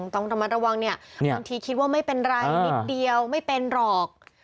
ต้องระวังบางทีคิดว่าไม่เป็นไรนิดเดียวไม่เป็นหรอก